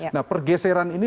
nah pergeseran ini